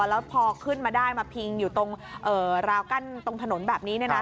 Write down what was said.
แล้วพอขึ้นมาได้มาพิงอยู่ตรงราวกั้นตรงถนนแบบนี้